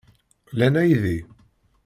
Lan aydi?